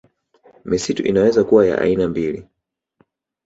Misitu inaweza kuwa ya aina mbili